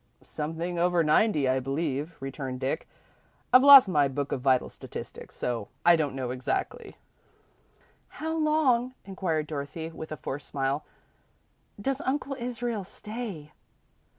"Something over ninety, I believe," returned Dick. "I've lost my book of vital statistics, so I don't know, exactly." "How long," inquired Dorothy, with a forced smile, "does Uncle Israel stay?"